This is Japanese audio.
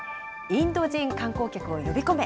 インド人観光客を呼び込め！